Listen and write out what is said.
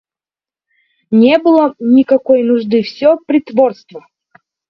Не было мне никакой нужды... Всё притворство!